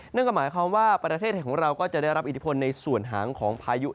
นั่นก็หมายความว่าประเทศไทยของเราก็จะได้รับอิทธิพลในส่วนหางของพายุ